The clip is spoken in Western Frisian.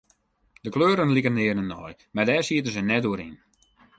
De kleuren liken nearne nei, mar dêr sieten se net oer yn.